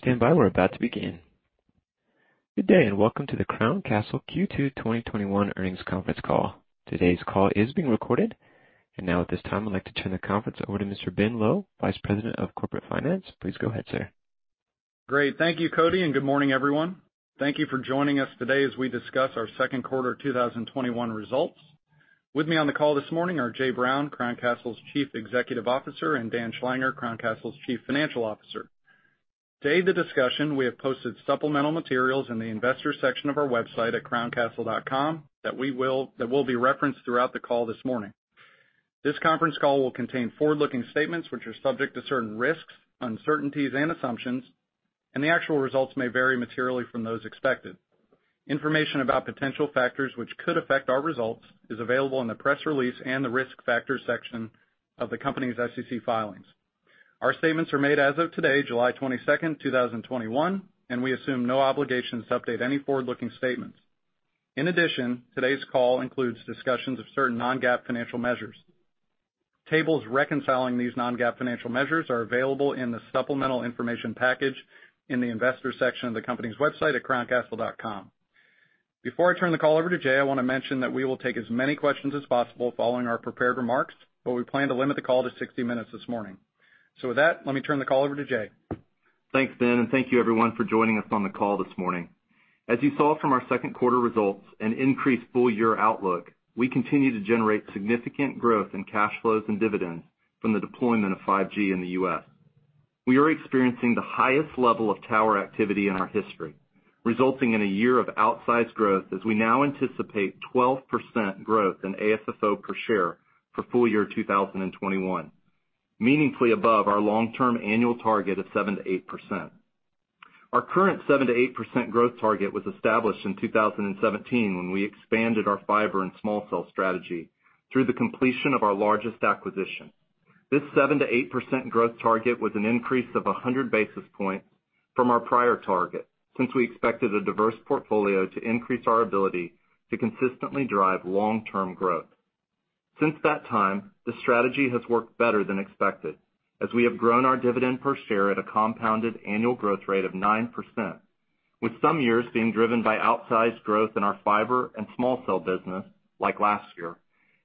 Good day, welcome to the Crown Castle Q2 2021 earnings conference call. Today's call is being recorded. Now at this time, I'd like to turn the conference over to Mr. Ben Lowe, Vice President of Corporate Finance. Please go ahead, sir. Great. Thank you, Cody. Good morning, everyone. Thank you for joining us today as we discuss our second quarter 2021 results. With me on the call this morning are Jay Brown, Crown Castle's Chief Executive Officer, and Dan Schlanger, Crown Castle's Chief Financial Officer. Today, the discussion, we have posted supplemental materials in the Investors section of our website at crowncastle.com that will be referenced throughout the call this morning. This conference call will contain forward-looking statements, which are subject to certain risks, uncertainties, and assumptions, and the actual results may vary materially from those expected. Information about potential factors which could affect our results is available in the press release and the Risk Factors section of the company's SEC filings. Our statements are made as of today, July 22nd, 2021, and we assume no obligation to update any forward-looking statements. In addition, today's call includes discussions of certain non-GAAP financial measures. Tables reconciling these non-GAAP financial measures are available in the supplemental information package in the Investors section of the company's website at crowncastle.com. Before I turn the call over to Jay, I want to mention that we will take as many questions as possible following our prepared remarks, but we plan to limit the call to 60 minutes this morning. With that, let me turn the call over to Jay. Thanks, Ben, and thank you everyone for joining us on the call this morning. As you saw from our second quarter results and increased full-year outlook, we continue to generate significant growth in cash flows and dividends from the deployment of 5G in the U.S. We are experiencing the highest level of tower activity in our history, resulting in a year of outsized growth as we now anticipate 12% growth in AFFO per share for full-year 2021, meaningfully above our long-term annual target of 7%-8%. Our current 7%-8% growth target was established in 2017 when we expanded our fiber and small cell strategy through the completion of our largest acquisition. This 7%-8% growth target was an increase of 100 basis points from our prior target, since we expected a diverse portfolio to increase our ability to consistently drive long-term growth. Since that time, the strategy has worked better than expected, as we have grown our dividend per share at a compounded annual growth rate of 9%, with some years being driven by outsized growth in our fiber and small cell business, like last year,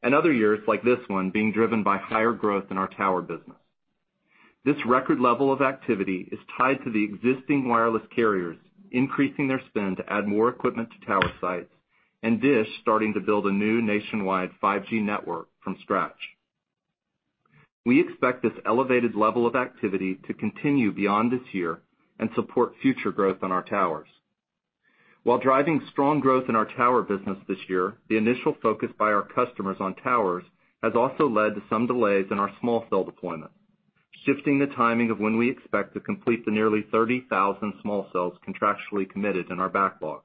and other years, like this one, being driven by higher growth in our tower business. This record level of activity is tied to the existing wireless carriers increasing their spend to add more equipment to tower sites and DISH starting to build a new nationwide 5G network from scratch. We expect this elevated level of activity to continue beyond this year and support future growth on our towers. While driving strong growth in our tower business this year, the initial focus by our customers on towers has also led to some delays in our small cell deployment, shifting the timing of when we expect to complete the nearly 30,000 small cells contractually committed in our backlog.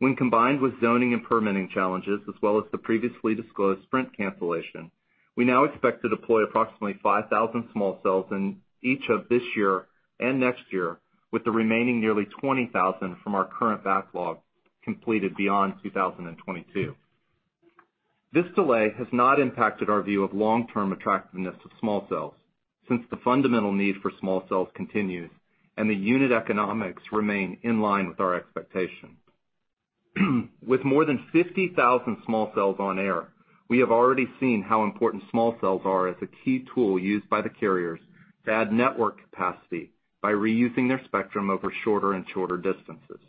When combined with zoning and permitting challenges, as well as the previously disclosed Sprint cancellation, we now expect to deploy approximately 5,000 small cells in each of this year and next year, with the remaining nearly 20,000 from our current backlog completed beyond 2022. This delay has not impacted our view of long-term attractiveness of small cells since the fundamental need for small cells continues and the unit economics remain in line with our expectations. With more than 50,000 small cells on air, we have already seen how important small cells are as a key tool used by the carriers to add network capacity by reusing their spectrum over shorter and shorter distances.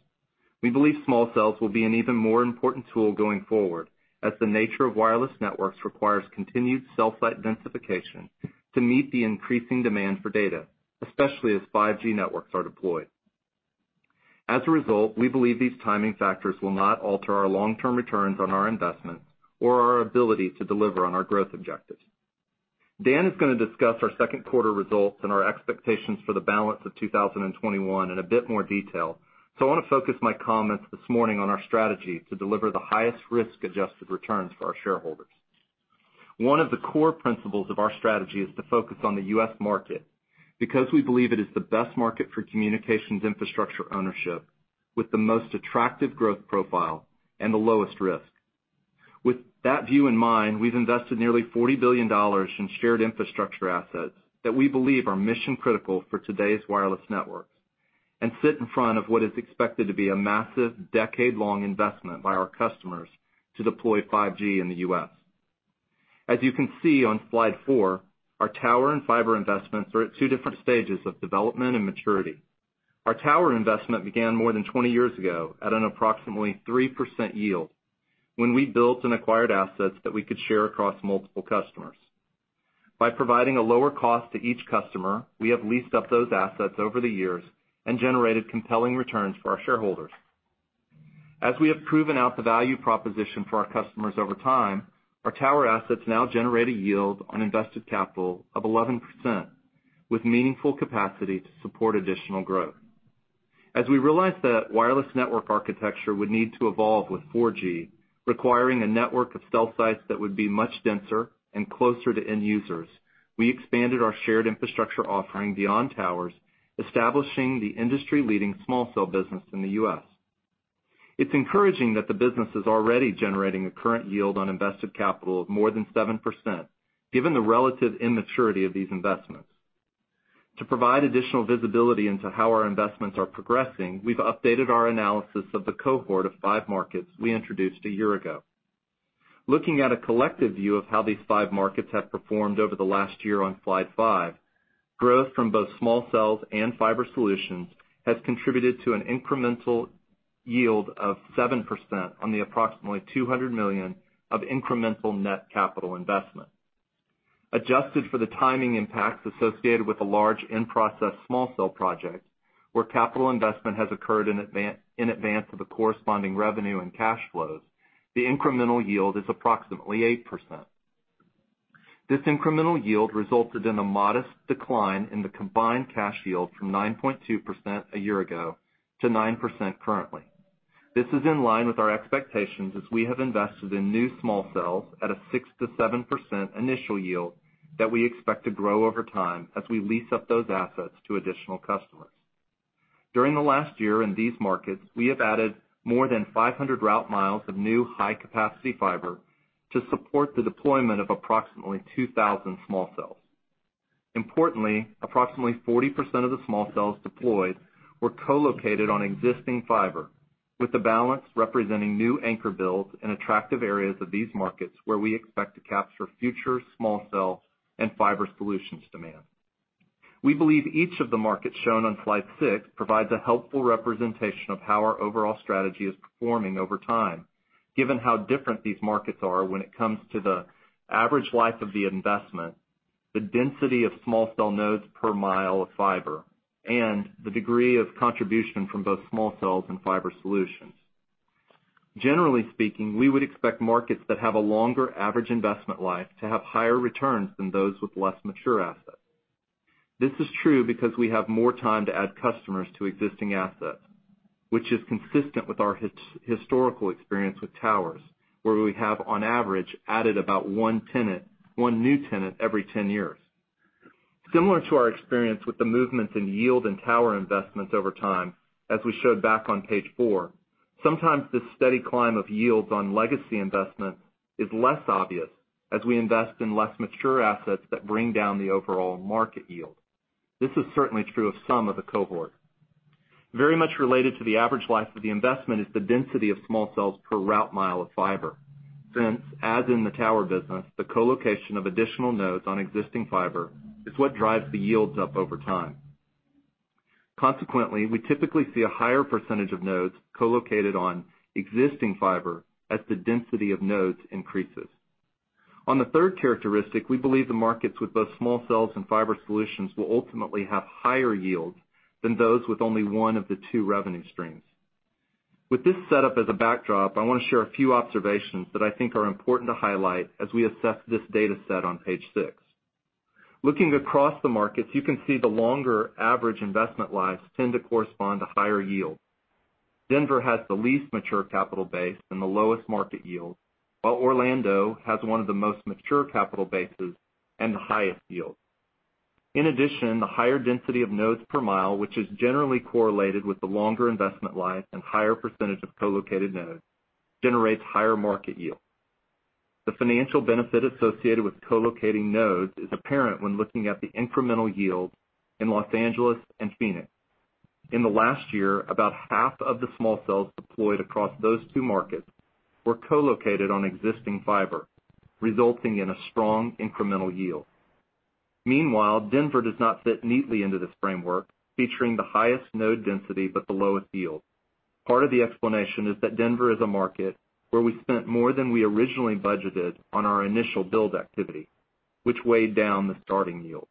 We believe small cells will be an even more important tool going forward as the nature of wireless networks requires continued cell site densification to meet the increasing demand for data, especially as 5G networks are deployed. As a result, we believe these timing factors will not alter our long-term returns on our investments or our ability to deliver on our growth objectives. Dan is gonna discuss our second quarter results and our expectations for the balance of 2021 in a bit more detail, so I want to focus my comments this morning on our strategy to deliver the highest risk-adjusted returns for our shareholders. One of the core principles of our strategy is to focus on the U.S. market because we believe it is the best market for communications infrastructure ownership with the most attractive growth profile and the lowest risk. With that view in mind, we've invested nearly $40 billion in shared infrastructure assets that we believe are mission-critical for today's wireless networks and sit in front of what is expected to be a massive decade-long investment by our customers to deploy 5G in the U.S. As you can see on slide four, our tower and fiber investments are at two different stages of development and maturity. Our tower investment began more than 20 years ago at an approximately 3% yield when we built and acquired assets that we could share across multiple customers. By providing a lower cost to each customer, we have leased up those assets over the years and generated compelling returns for our shareholders. As we have proven out the value proposition for our customers over time, our tower assets now generate a yield on invested capital of 11% with meaningful capacity to support additional growth. As we realized that wireless network architecture would need to evolve with 4G, requiring a network of cell sites that would be much denser and closer to end users, we expanded our shared infrastructure offering beyond towers, establishing the industry-leading small cell business in the U.S. It's encouraging that the business is already generating a current yield on invested capital of more than 7%, given the relative immaturity of these investments. To provide additional visibility into how our investments are progressing, we've updated our analysis of the cohort of five markets we introduced a year ago. Looking at a collective view of how these five markets have performed over the last year on Slide five, growth from both small cells and fiber solutions has contributed to an incremental yield of 7% on the approximately $200 million of incremental net capital investment. Adjusted for the timing impacts associated with a large in-process small cell project where capital investment has occurred in advance of the corresponding revenue and cash flows, the incremental yield is approximately 8%. This incremental yield resulted in a modest decline in the combined cash yield from 9.2% a year ago to 9% currently. This is in line with our expectations as we have invested in new small cells at a 6%-7% initial yield that we expect to grow over time as we lease up those assets to additional customers. During the last year in these markets, we have added more than 500 route miles of new high-capacity fiber to support the deployment of approximately 2,000 small cells. Importantly, approximately 40% of the small cells deployed were co-located on existing fiber, with the balance representing new anchor builds in attractive areas of these markets where we expect to capture future small cell and fiber solutions demand. We believe each of the markets shown on Slide six provides a helpful representation of how our overall strategy is performing over time, given how different these markets are when it comes to the average life of the investment, the density of small cell nodes per mile of fiber, and the degree of contribution from both small cells and fiber solutions. Generally speaking, we would expect markets that have a longer average investment life to have higher returns than those with less mature assets. This is true because we have more time to add customers to existing assets, which is consistent with our historical experience with towers, where we have, on average, added about one new tenant every 10 years. Similar to our experience with the movements in yield and tower investments over time, as we showed back on page four, sometimes the steady climb of yields on legacy investments is less obvious as we invest in less mature assets that bring down the overall market yield. This is certainly true of some of the cohort. Very much related to the average life of the investment is the density of small cells per route mile of fiber. Since, as in the tower business, the co-location of additional nodes on existing fiber is what drives the yields up over time. Consequently, we typically see a higher percentage of nodes co-located on existing fiber as the density of nodes increases. On the third characteristic, we believe the markets with both small cells and fiber solutions will ultimately have higher yields than those with only one of the two revenue streams. With this setup as a backdrop, I want to share a few observations that I think are important to highlight as we assess this data set on page six. Looking across the markets, you can see the longer average investment lives tend to correspond to higher yields. Denver has the least mature capital base and the lowest market yield, while Orlando has one of the most mature capital bases and the highest yield. In addition, the higher density of nodes per mile, which is generally correlated with the longer investment life and higher percentage of co-located nodes, generates higher market yield. The financial benefit associated with co-locating nodes is apparent when looking at the incremental yield in Los Angeles and Phoenix. In the last year, about half of the small cells deployed across those two markets were co-located on existing fiber, resulting in a strong incremental yield. Meanwhile, Denver does not fit neatly into this framework, featuring the highest node density but the lowest yield. Part of the explanation is that Denver is a market where we spent more than we originally budgeted on our initial build activity, which weighed down the starting yield.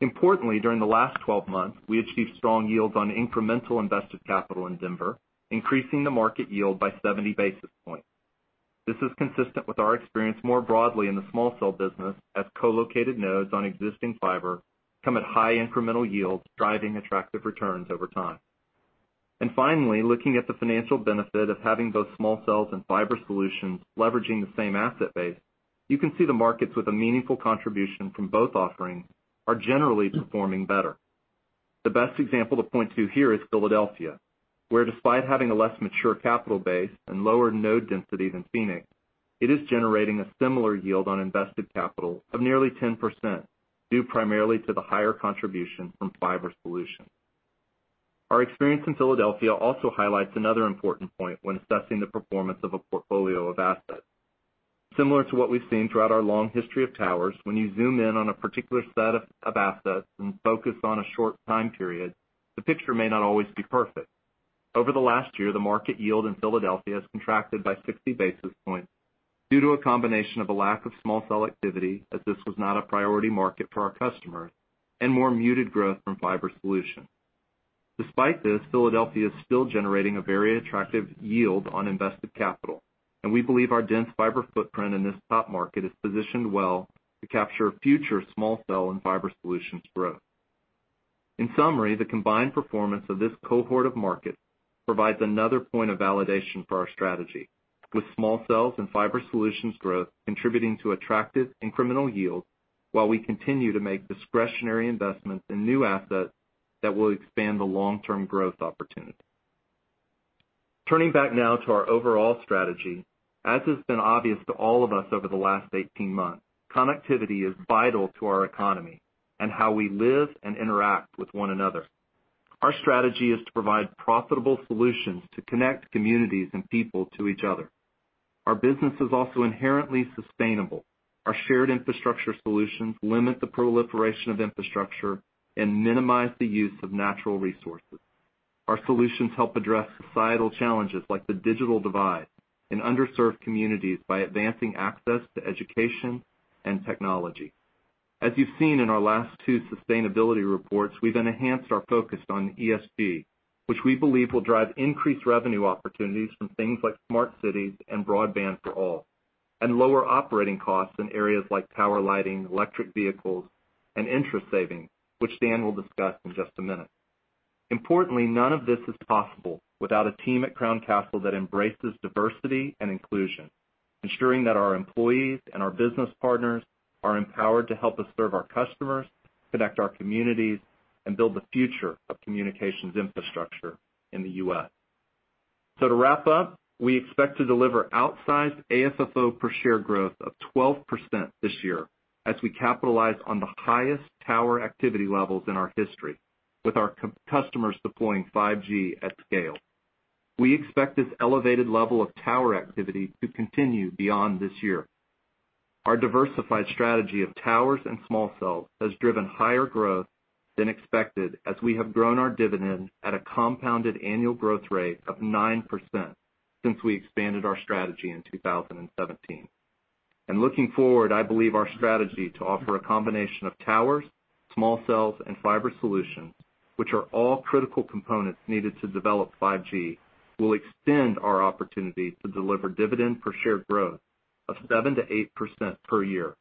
Importantly, during the last 12 months, we achieved strong yields on incremental invested capital in Denver, increasing the market yield by 70 basis points. This is consistent with our experience more broadly in the small cell business, as co-located nodes on existing fiber come at high incremental yields, driving attractive returns over time. Finally, looking at the financial benefit of having both small cells and fiber solutions leveraging the same asset base, you can see the markets with a meaningful contribution from both offerings are generally performing better. The best example to point to here is Philadelphia, where despite having a less mature capital base and lower node density than Phoenix, it is generating a similar yield on invested capital of nearly 10%, due primarily to the higher contribution from fiber solutions. Our experience in Philadelphia also highlights another important point when assessing the performance of a portfolio of assets. Similar to what we've seen throughout our long history of towers, when you zoom in on a particular set of assets and focus on a short time period, the picture may not always be perfect. Over the last year, the market yield in Philadelphia has contracted by 60 basis points due to a combination of a lack of small cell activity, as this was not a priority market for our customers, and more muted growth from fiber solutions. Despite this, Philadelphia is still generating a very attractive yield on invested capital, and we believe our dense fiber footprint in this top market is positioned well to capture future small cell and fiber solutions growth. In summary, the combined performance of this cohort of markets provides another point of validation for our strategy, with small cells and fiber solutions growth contributing to attractive incremental yield. While we continue to make discretionary investments in new assets that will expand the long-term growth opportunity. Turning back now to our overall strategy, as has been obvious to all of us over the last 18 months, connectivity is vital to our economy and how we live and interact with one another. Our strategy is to provide profitable solutions to connect communities and people to each other. Our business is also inherently sustainable. Our shared infrastructure solutions limit the proliferation of infrastructure and minimize the use of natural resources. Our solutions help address societal challenges like the digital divide in underserved communities by advancing access to education and technology. As you've seen in our last two sustainability reports, we've enhanced our focus on ESG, which we believe will drive increased revenue opportunities from things like smart cities and broadband for all, and lower operating costs in areas like tower lighting, electric vehicles, and interest saving, which Dan will discuss in just a minute. Importantly, none of this is possible without a team at Crown Castle that embraces diversity and inclusion, ensuring that our employees and our business partners are empowered to help us serve our customers, connect our communities, and build the future of communications infrastructure in the U.S. To wrap up, we expect to deliver outsized AFFO per share growth of 12% this year as we capitalize on the highest tower activity levels in our history with our customers deploying 5G at scale. We expect this elevated level of tower activity to continue beyond this year. Our diversified strategy of towers and small cells has driven higher growth than expected, as we have grown our dividend at a compounded annual growth rate of 9% since we expanded our strategy in 2017. Looking forward, I believe our strategy to offer a combination of towers, small cells, and fiber solutions, which are all critical components needed to develop 5G, will extend our opportunity to deliver dividend per share growth of 7%-8% per year.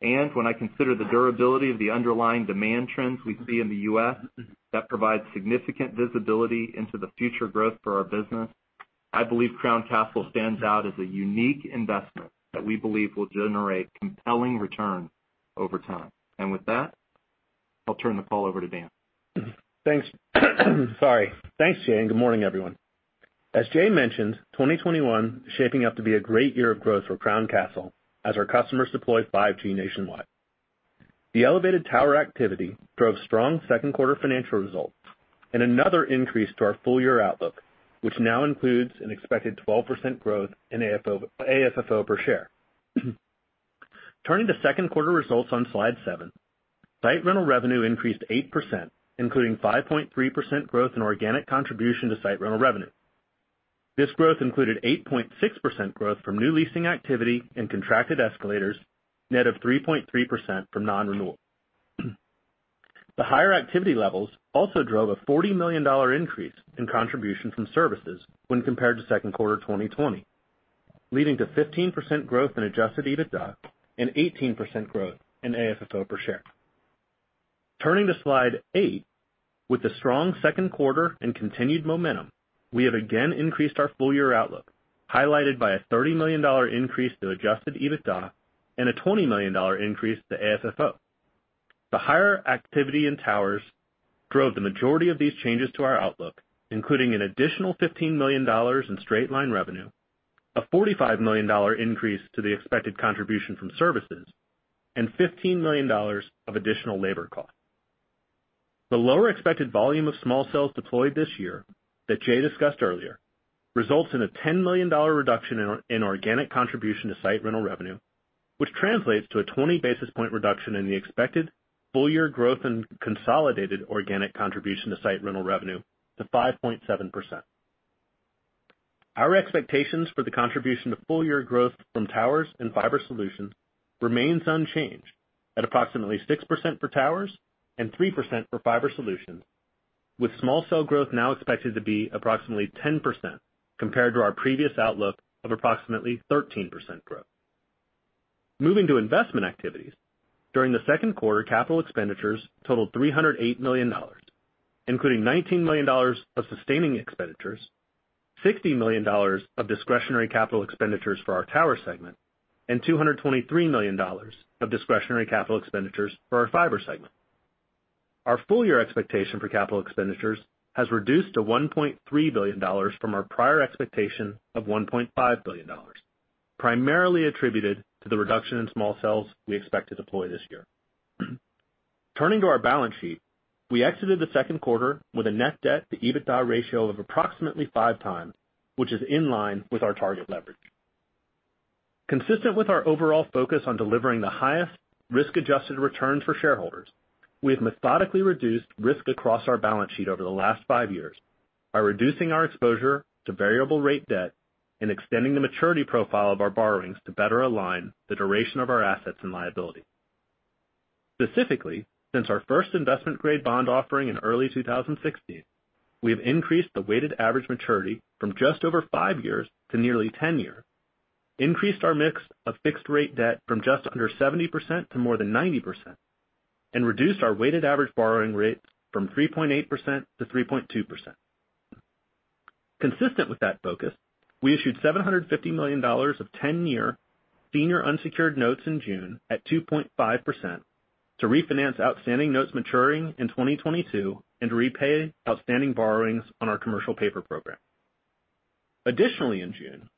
When I consider the durability of the underlying demand trends we see in the U.S. that provide significant visibility into the future growth for our business, I believe Crown Castle stands out as a unique investment that we believe will generate compelling returns over time. With that, I'll turn the call over to Dan. Thanks, Jay, and good morning, everyone. As Jay mentioned, 2021 is shaping up to be a great year of growth for Crown Castle as our customers deploy 5G nationwide. The elevated tower activity drove strong second quarter financial results and another increase to our full year outlook, which now includes an expected 12% growth in AFFO per share. Turning to second quarter results on slide seven. Site rental revenue increased 8%, including 5.3% growth in organic contribution to site rental revenue. This growth included 8.6% growth from new leasing activity and contracted escalators, net of 3.3% from non-renewal. The higher activity levels also drove a $40 million increase in contribution from services when compared to second quarter 2020, leading to 15% growth in adjusted EBITDA and 18% growth in AFFO per share. Turning to slide eight. With the strong second quarter and continued momentum, we have again increased our full year outlook, highlighted by a $30 million increase to adjusted EBITDA and a $20 million increase to AFFO. The higher activity in towers drove the majority of these changes to our outlook, including an additional $15 million in straight line revenue, a $45 million increase to the expected contribution from services, and $15 million of additional labor cost. The lower expected volume of small cells deployed this year that Jay discussed earlier, results in a $10 million reduction in organic contribution to site rental revenue, which translates to a 20-basis point reduction in the expected full year growth in consolidated organic contribution to site rental revenue to 5.7%. Our expectations for the contribution to full year growth from towers and fiber solutions remains unchanged at approximately 6% for towers and 3% for fiber solutions, with small cell growth now expected to be approximately 10% compared to our previous outlook of approximately 13% growth. Moving to investment activities. During the second quarter, capital expenditures totaled $308 million, including $19 million of sustaining expenditures, $60 million of discretionary capital expenditures for our tower segment, and $223 million of discretionary capital expenditures for our fiber segment. Our full year expectation for capital expenditures has reduced to $1.3 billion from our prior expectation of $1.5 billion, primarily attributed to the reduction in small cells we expect to deploy this year. Turning to our balance sheet. We exited the second quarter with a net debt-to-EBITDA ratio of approximately 5x, which is in line with our target leverage. Consistent with our overall focus on delivering the highest risk-adjusted returns for shareholders, we have methodically reduced risk across our balance sheet over the last five years by reducing our exposure to variable rate debt and extending the maturity profile of our borrowings to better align the duration of our assets and liability. Specifically, since our first investment-grade bond offering in early 2016, we have increased the weighted average maturity from just over five years to nearly 10 years, increased our mix of fixed rate debt from just under 70% to more than 90%, and reduced our weighted average borrowing rates from 3.8%-3.2%. Consistent with that focus, we issued $750 million of 10-year senior unsecured notes in June at 2.5% to refinance outstanding notes maturing in 2022 and repay outstanding borrowings on our commercial paper program. Additionally, in June,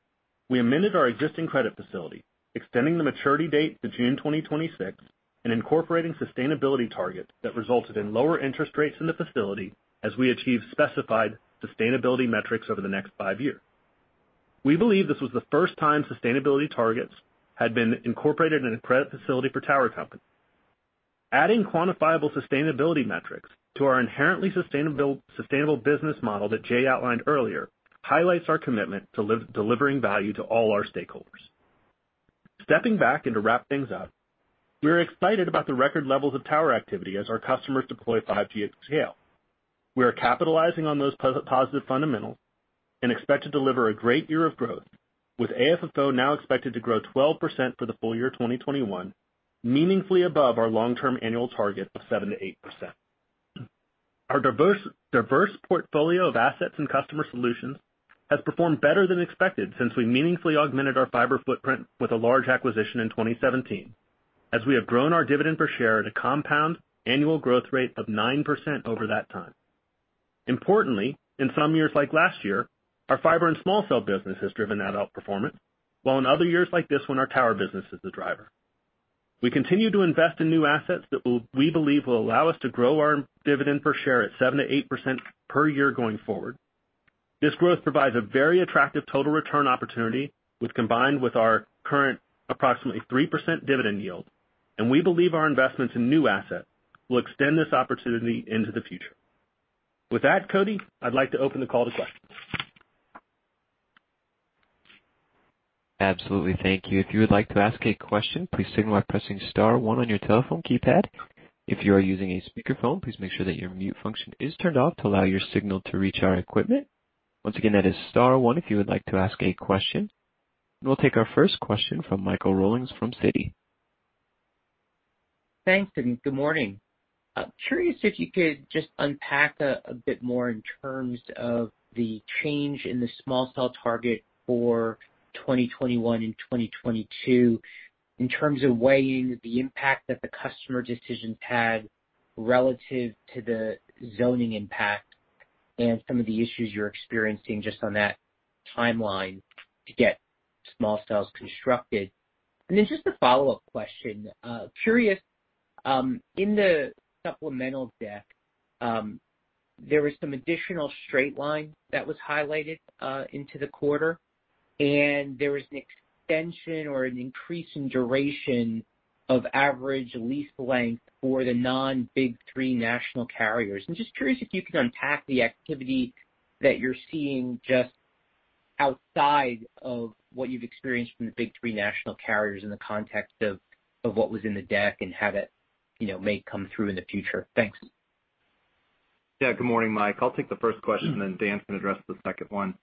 we amended our existing credit facility, extending the maturity date to June 2026 and incorporating sustainability targets that resulted in lower interest rates in the facility as we achieve specified sustainability metrics over the next five years. We believe this was the first time sustainability targets had been incorporated in a credit facility for a tower company. Adding quantifiable sustainability metrics to our inherently sustainable business model that Jay outlined earlier, highlights our commitment to delivering value to all our stakeholders. Stepping back and to wrap things up, we're excited about the record levels of tower activity as our customers deploy 5G at scale. We are capitalizing on those positive fundamentals and expect to deliver a great year of growth, with AFFO now expected to grow 12% for the full year 2021, meaningfully above our long-term annual target of 7%-8%. Our diverse portfolio of assets and customer solutions has performed better than expected since we meaningfully augmented our fiber footprint with a large acquisition in 2017, as we have grown our dividend per share at a compound annual growth rate of 9% over that time. Importantly, in some years like last year, our fiber and small cell business has driven that outperformance, while in other years like this one, our tower business is the driver. We continue to invest in new assets that we believe will allow us to grow our dividend per share at 7%-8% per year going forward. This growth provides a very attractive total return opportunity which combined with our current approximately 3% dividend yield, and we believe our investments in new assets will extend this opportunity into the future. With that, Cody, I'd like to open the call to questions. Absolutely. Thank you. If you would like to ask a question, please signal by pressing star one on your telephone keypad. If you are using a speakerphone, please make sure that your mute function is turned off to allow your signal to reach our equipment. Once again, that is star one if you would like to ask a question. We'll take our first question from Michael Rollins from Citi. Thanks, good morning. I'm curious if you could just unpack a bit more in terms of the change in the small cell target for 2021 and 2022 in terms of weighing the impact that the customer decisions had relative to the zoning impact and some of the issues you're experiencing just on that timeline to get small cells constructed. Just a follow-up question. Curious, in the supplemental deck, there was some additional straight line that was highlighted into the quarter, and there was an extension or an increase in duration of average lease length for the non-big three national carriers. I'm just curious if you can unpack the activity that you're seeing just outside of what you've experienced from the big three national carriers in the context of what was in the deck and how that may come through in the future? Thanks. Good morning, Mike. I'll take the first question, then Dan can address the second one.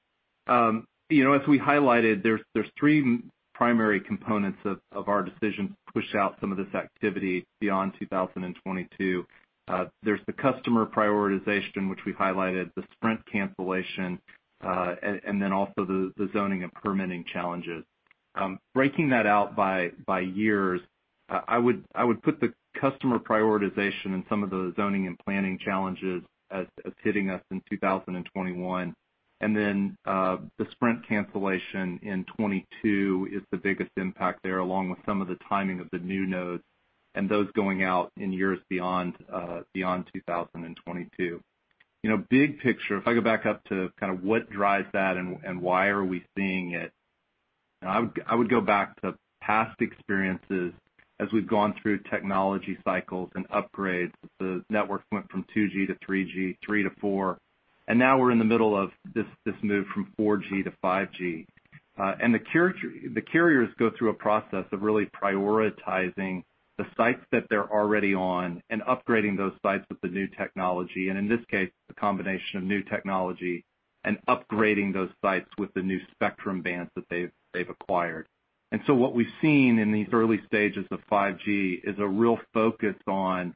As we highlighted, there's three primary components of our decision to push out some of this activity beyond 2022. There's the customer prioritization, which we highlighted, the Sprint cancellation, and then also the zoning and permitting challenges. Breaking that out by years, I would put the customer prioritization and some of the zoning and planning challenges as hitting us in 2021. The Sprint cancellation in 2022 is the biggest impact there, along with some of the timing of the new nodes and those going out in years beyond 2022. Big picture, if I go back up to what drives that and why are we seeing it, I would go back to past experiences as we've gone through technology cycles and upgrades as the networks went from 2G-3G, 3G-4G, and now we're in the middle of this move from 4G-5G. The carriers go through a process of really prioritizing the sites that they're already on and upgrading those sites with the new technology, and in this case, a combination of new technology and upgrading those sites with the new spectrum bands that they've acquired. What we've seen in these early stages of 5G is a real focus on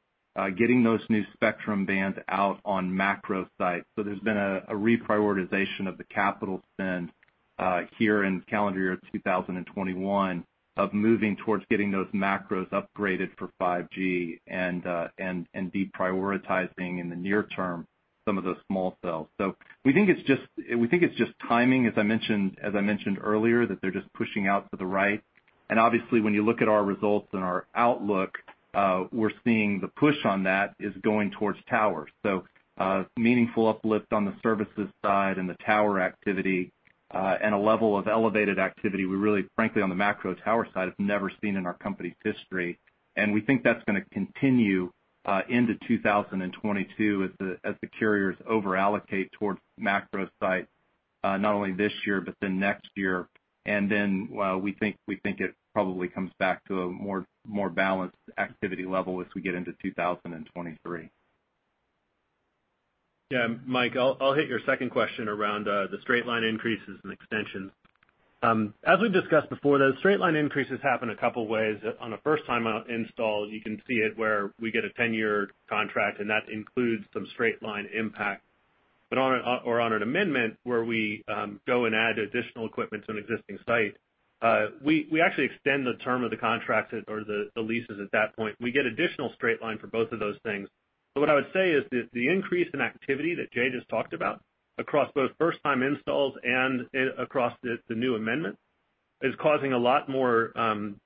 getting those new spectrum bands out on macro sites. There's been a reprioritization of the capital spend here in calendar year 2021 of moving towards getting those macros upgraded for 5G and deprioritizing in the near term some of those small cells. We think it's just timing, as I mentioned earlier, that they're just pushing out to the right. Obviously, when you look at our results and our outlook, we're seeing the push on that is going towards towers. Meaningful uplift on the services side and the tower activity, and a level of elevated activity we really, frankly, on the macro tower side, have never seen in our company's history. We think that's going to continue into 2022 as the carriers over-allocate towards macro sites, not only this year, but then next year. We think it probably comes back to a more balanced activity level as we get into 2023. Yeah, Mike, I'll hit your second question around the straight line increases and extensions. As we've discussed before, those straight-line increases happen a couple ways. On a first-time install, you can see it where we get a 10-year contract, and that includes some straight-line impact. On an amendment where we go and add additional equipment to an existing site, we actually extend the term of the contract or the leases at that point. We get additional straight line for both of those things. What I would say is that the increase in activity that Jay just talked about across both first-time installs and across the new amendments is causing a lot more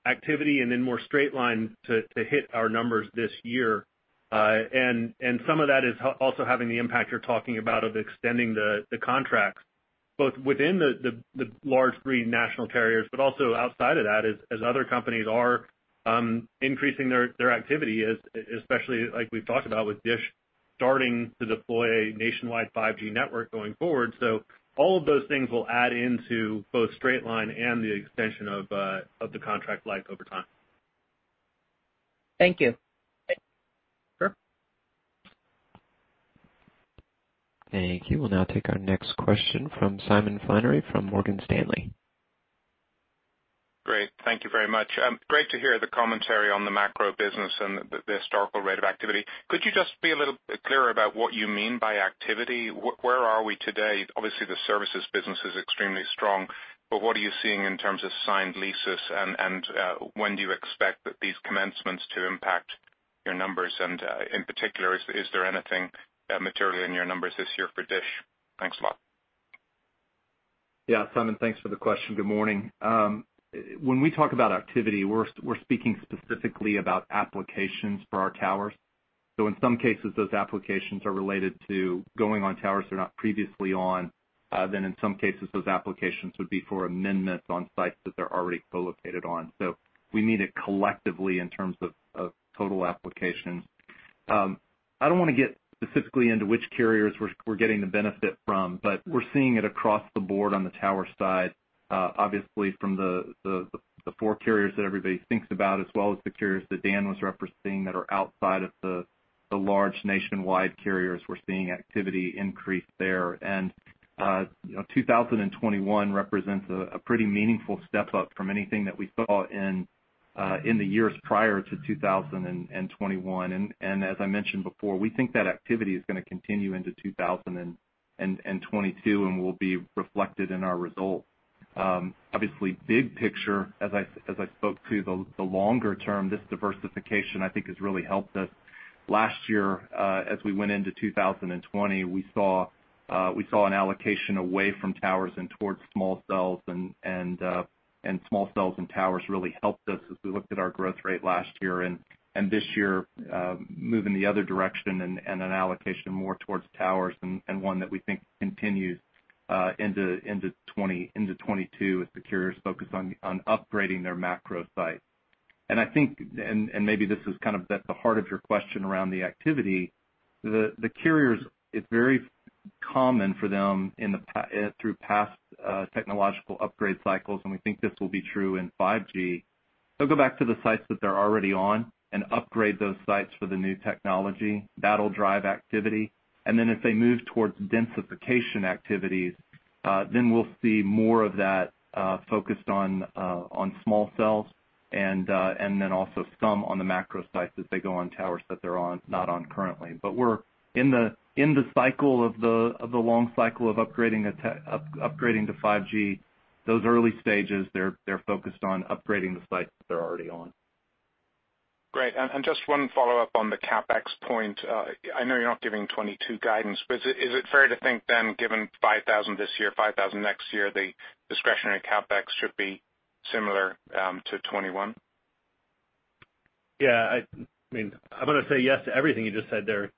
activity and then more straight line to hit our numbers this year. Some of that is also having the impact you're talking about of extending the contracts both within the large three national carriers, but also outside of that as other companies are increasing their activity, especially like we've talked about with DISH starting to deploy a nationwide 5G network going forward. All of those things will add into both straight line and the extension of the contract life over time. Thank you. Sure. Thank you. We'll now take our next question from Simon Flannery from Morgan Stanley. Great. Thank you very much. Great to hear the commentary on the macro business and the historical rate of activity. Could you just be a little bit clearer about what you mean by activity? Where are we today? Obviously, the services business is extremely strong, but what are you seeing in terms of signed leases, and when do you expect these commencements to impact your numbers? In particular, is there anything materially in your numbers this year for DISH? Thanks a lot. Simon. Thanks for the question. Good morning. When we talk about activity, we're speaking specifically about applications for our towers. In some cases, those applications are related to going on towers they're not previously on. In some cases, those applications would be for amendments on sites that they're already co-located on. We mean it collectively in terms of total applications. I don't want to get specifically into which carriers we're getting the benefit from, but we're seeing it across the board on the tower side. Obviously, from the four carriers that everybody thinks about, as well as the carriers that Dan was referencing that are outside of the large nationwide carriers, we're seeing activity increase there. 2021 represents a pretty meaningful step-up from anything that we saw in the years prior to 2021. As I mentioned before, we think that activity is going to continue into 2022 and will be reflected in our results. Big picture, as I spoke to the longer term, this diversification I think has really helped us. Last year, as we went into 2020, we saw an allocation away from towers and towards small cells, and small cells and towers really helped us as we looked at our growth rate last year and this year, moving the other direction and an allocation more towards towers and one that we think continues into 2022 as the carriers focus on upgrading their macro sites. I think, and maybe this is kind of at the heart of your question around the activity, the carriers, it's very common for them through past technological upgrade cycles, and we think this will be true in 5G. They'll go back to the sites that they're already on and upgrade those sites for the new technology. That'll drive activity. Then as they move towards densification activities, then we'll see more of that focused on small cells and then also some on the macro sites as they go on towers that they're not on currently. We're in the cycle of the long cycle of upgrading to 5G. Those early stages, they're focused on upgrading the sites that they're already on. Great. just one follow-up on the CapEx point. I know you're not giving 2022 guidance, is it fair to think given 5,000 this year, 5,000 next year, the discretionary CapEx should be similar to 2021? Yeah. I'm going to say yes to everything you just said there,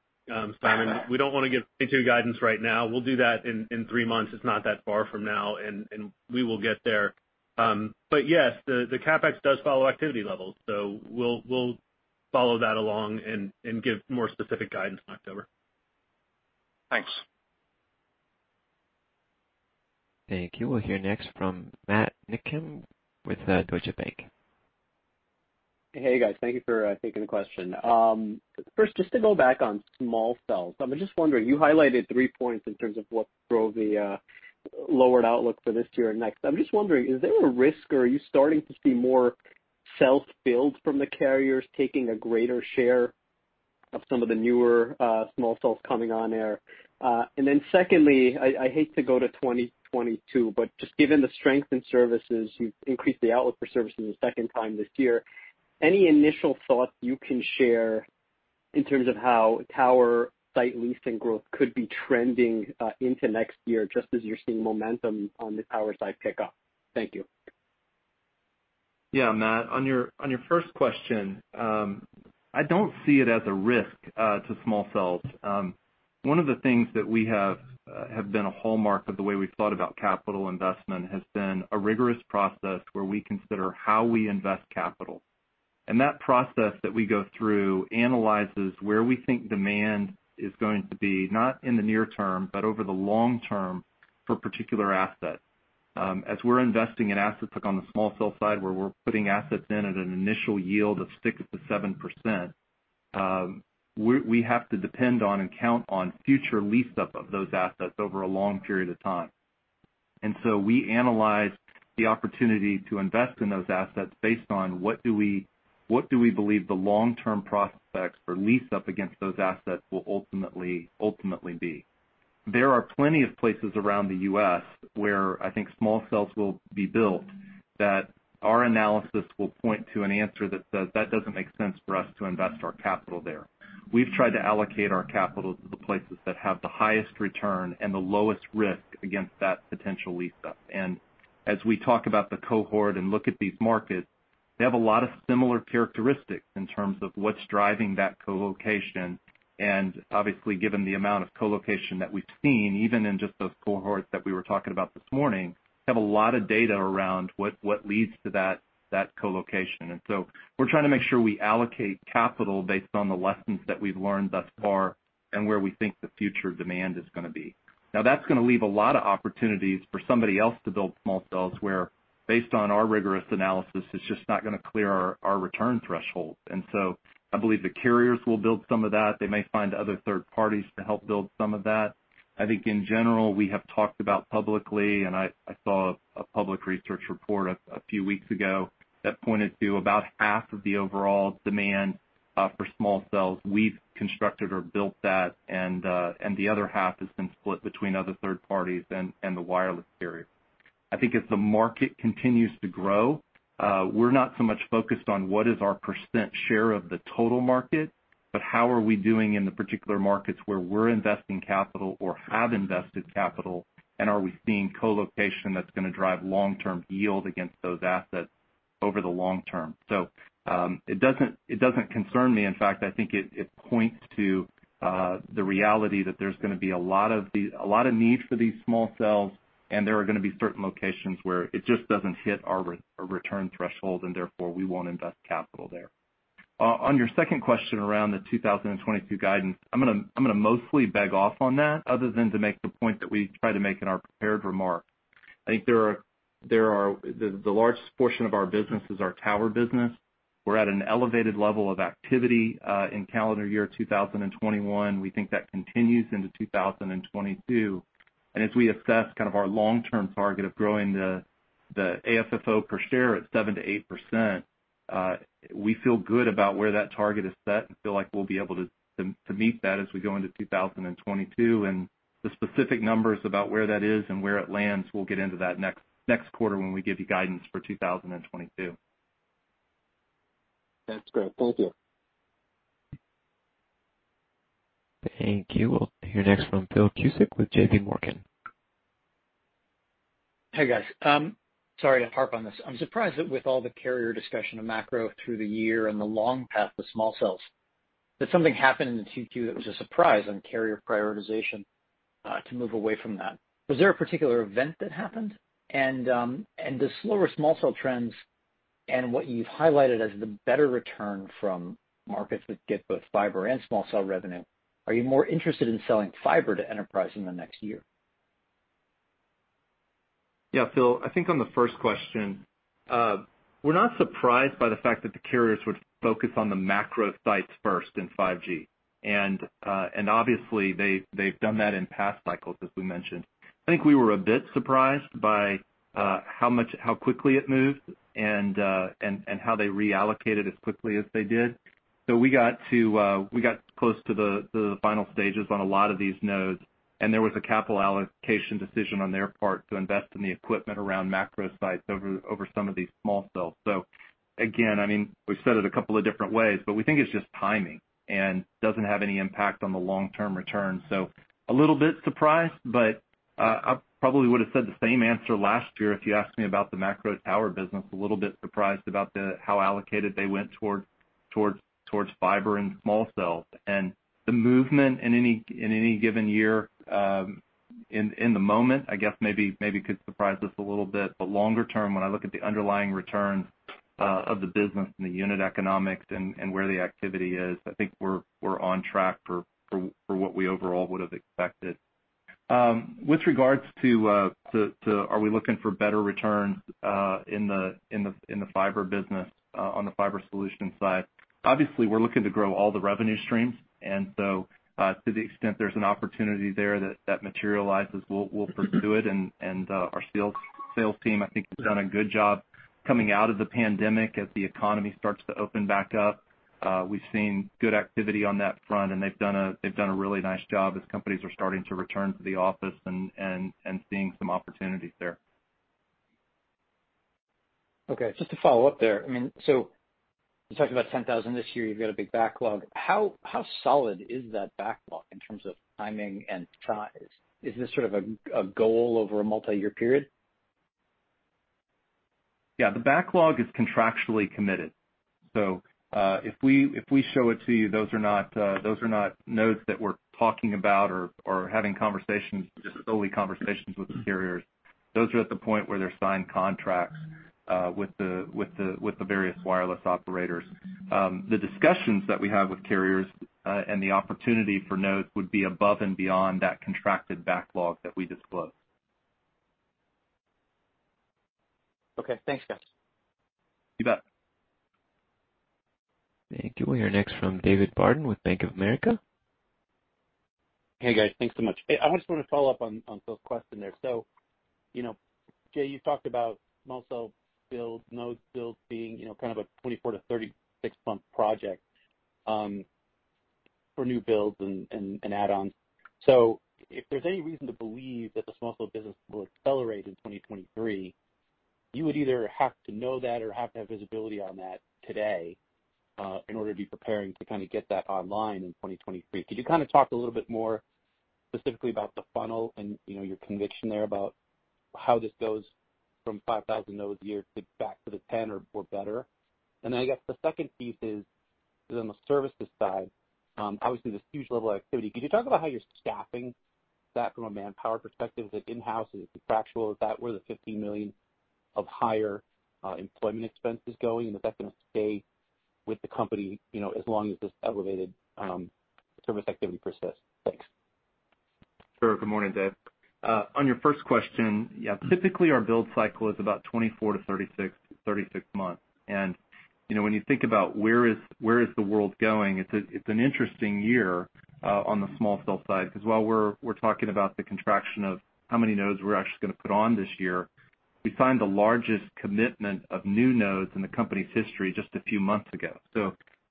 Simon. We don't want to give 2022 guidance right now. We'll do that in three months. It's not that far from now, and we will get there. Yes, the CapEx does follow activity levels, so we'll follow that along and give more specific guidance in October. Thanks. Thank you. We'll hear next from Matt Niknam with Deutsche Bank. Hey, guys. Thank you for taking the question. First, just to go back on small cells. I'm just wondering, you highlighted three points in terms of what drove the lowered outlook for this year and next. I'm just wondering, is there a risk, or are you starting to see more self-filled from the carriers taking a greater share of some of the newer small cells coming on air? Secondly, I hate to go to 2022, but just given the strength in services, you've increased the outlook for services a second time this year. Any initial thoughts you can share in terms of how tower site leasing growth could be trending into next year, just as you're seeing momentum on the tower side pick up? Thank you. Yeah, Matt. On your first question, I don't see it as a risk to small cells. One of the things that have been a hallmark of the way we've thought about capital investment has been a rigorous process where we consider how we invest capital. That process that we go through analyzes where we think demand is going to be, not in the near term, but over the long term for particular assets. As we're investing in assets, like on the small cell side, where we're putting assets in at an initial yield of 6%-7%. We have to depend on and count on future lease-up of those assets over a long period of time. We analyze the opportunity to invest in those assets based on what do we believe the long-term prospects for lease-up against those assets will ultimately be. There are plenty of places around the U.S. where I think small cells will be built that our analysis will point to an answer that says, that doesn't make sense for us to invest our capital there. We've tried to allocate our capital to the places that have the highest return and the lowest risk against that potential lease-up. As we talk about the cohort and look at these markets, they have a lot of similar characteristics in terms of what's driving that co-location, and obviously, given the amount of co-location that we've seen, even in just those cohorts that we were talking about this morning, have a lot of data around what leads to that co-location. So we're trying to make sure we allocate capital based on the lessons that we've learned thus far and where we think the future demand is going to be. Now, that's going to leave a lot of opportunities for somebody else to build small cells, where based on our rigorous analysis, it's just not going to clear our return threshold. I believe the carriers will build some of that. They may find other third parties to help build some of that. I think, in general, we have talked about publicly, and I saw a public research report a few weeks ago that pointed to about half of the overall demand for small cells. We've constructed or built that, and the other half has been split between other third parties and the wireless carrier. I think as the market continues to grow, we're not so much focused on what is our percent share of the total market, but how are we doing in the particular markets where we're investing capital or have invested capital, and are we seeing co-location that's going to drive long-term yield against those assets over the long term. It doesn't concern me. In fact, I think it points to the reality that there's going to be a lot of need for these small cells, and there are going to be certain locations where it just doesn't hit our return threshold and therefore we won't invest capital there. On your second question around the 2022 guidance, I'm going to mostly beg off on that other than to make the point that we tried to make in our prepared remarks. I think the largest portion of our business is our tower business. We're at an elevated level of activity, in calendar year 2021. We think that continues into 2022. As we assess kind of our long-term target of growing the AFFO per share at 7%-8%, we feel good about where that target is set and feel like we'll be able to meet that as we go into 2022. The specific numbers about where that is and where it lands, we'll get into that next quarter when we give you guidance for 2022. That's great. Thank you. Thank you. We'll hear next from Phil Cusick with JPMorgan. Hey, guys. Sorry to harp on this. I'm surprised that with all the carrier discussion of macro through the year and the long path to small cells, that something happened in the 2Q that was a surprise on carrier prioritization, to move away from that. Was there a particular event that happened? The slower small cell trends and what you've highlighted as the better return from markets that get both fiber and small cell revenue, are you more interested in selling fiber to enterprise in the next year? Yeah, Phil, I think on the first question, we're not surprised by the fact that the carriers would focus on the macro sites first in 5G. Obviously, they've done that in past cycles, as we mentioned. I think we were a bit surprised by how quickly it moved and how they reallocated as quickly as they did. We got close to the final stages on a lot of these nodes, and there was a capital allocation decision on their part to invest in the equipment around macro sites over some of these small cells. Again, we've said it a couple of different ways, but we think it's just timing and doesn't have any impact on the long-term return. A little bit surprised, but I probably would've said the same answer last year if you asked me about the macro tower business, a little bit surprised about how allocated they went towards fiber and small cells. The movement in any given year, in the moment, I guess maybe could surprise us a little bit. Longer term, when I look at the underlying returns of the business and the unit economics and where the activity is, I think we're on track for what we overall would've expected. With regards to, are we looking for better returns in the fiber business, on the fiber solutions side? Obviously, we're looking to grow all the revenue streams, and so, to the extent there's an opportunity there that materializes, we'll pursue it, and our sales team I think has done a good job coming out of the pandemic as the economy starts to open back up. We've seen good activity on that front, and they've done a really nice job as companies are starting to return to the office and seeing some opportunities there. Okay, just to follow-up there. You talked about 10,000 this year. You've got a big backlog. How solid is that backlog in terms of timing and size? Is this sort of a goal over a multi-year period? Yeah, the backlog is contractually committed. If we show it to you, those are not nodes that we're talking about or having solely conversations with the carriers. Those are at the point where they're signed contracts with the various wireless operators. The discussions that we have with carriers, and the opportunity for nodes would be above and beyond that contracted backlog that we disclose. Okay. Thanks, guys. You bet. Thank you. We'll hear next from David Barden with Bank of America. Hey, guys. Thanks so much. I just want to follow-up on Phil's question there. Jay, you talked about small cell builds, node builds being kind of a 24-36-month project, for new builds and add-ons. If there's any reason to believe that the small cell business will accelerate in 2023, you would either have to know that or have to have visibility on that today, in order to be preparing to kind of get that online in 2023. Could you talk a little bit more specifically about the funnel and your conviction there about how this goes from 5,000 nodes a year to back to the 10,000 or better? I guess the second piece is on the services side, obviously, this huge level of activity. Could you talk about how you're staffing that from a manpower perspective? Is it in-house? Is it contractual? Is that where the $15 million of higher, employment expense is going, and if that's gonna stay with the company, as long as this elevated service activity persists? Thanks. Sure. Good morning, Dave. On your first question, yeah, typically, our build cycle is about 24-36 months. When you think about where is the world going, it's an interesting year, on the small cell side, because while we're talking about the contraction of how many nodes we're actually gonna put on this year, we signed the largest commitment of new nodes in the company's history just a few months ago.